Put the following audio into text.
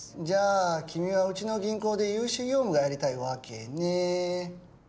じゃあ君はうちの銀行で融資業務がやりたいわけね？